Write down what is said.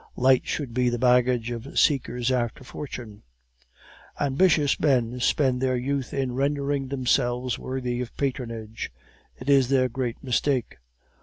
Light should be the baggage of seekers after fortune! "Ambitious men spend their youth in rendering themselves worthy of patronage; it is their great mistake.